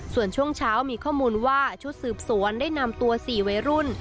ส่วนช่วงเช้ามีข้อมูลว่าชุดสืบสวนได้นำตัว๔วัยรุ่น